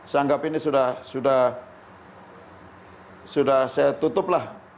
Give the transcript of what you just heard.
saya anggap ini sudah saya tutuplah